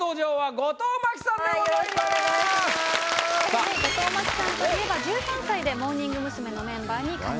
後藤真希さんといえば１３歳でモーニング娘。のメンバーに加入。